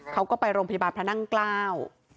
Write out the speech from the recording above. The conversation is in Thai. เขาก็ไปโรงพยาบาลพระนั่งเกล้า